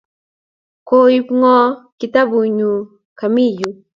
Koip ng'o kitapunnyu kami yu.